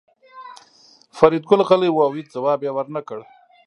فریدګل غلی و او هېڅ ځواب یې ورنکړ